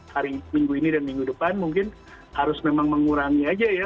hari minggu ini dan minggu depan mungkin harus memang mengurangi aja ya